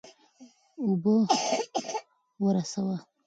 اوبه ورسوه.